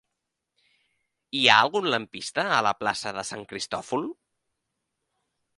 Hi ha algun lampista a la plaça de Sant Cristòfol?